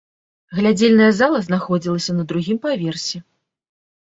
Глядзельная зала знаходзілася на другім паверсе.